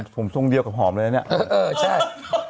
ผมทรงเดียวกับหอมเลยนะเนี่ยเออใช่